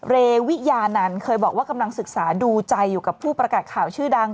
เววิยานันเคยบอกว่ากำลังศึกษาดูใจอยู่กับผู้ประกาศข่าวชื่อดัง